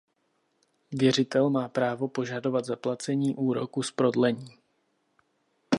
Věřitel má právo požadovat zaplacení úroku z prodlení.